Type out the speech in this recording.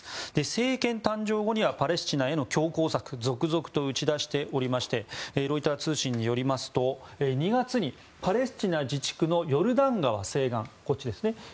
政権誕生後にはパレスチナへの強硬策続々と打ち出しておりましてロイター通信によりますと２月にパレスチナ自治区のヨルダン川西岸こっちですね。